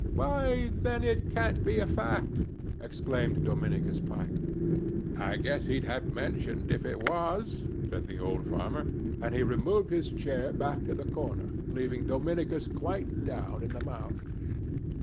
"Why, then it can't be a fact!" exclaimed Dominicus Pike. "I guess he'd have mentioned, if it was," said the old farmer; and he removed his chair back to the corner, leaving Dominicus quite down in the mouth.